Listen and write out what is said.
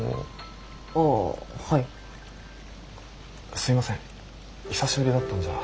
すいません久しぶりだったんじゃ。